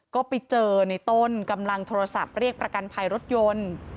ก็ไปเจอในต้นกำลังโทรศัพท์เรียกประกันภัยรถยนต์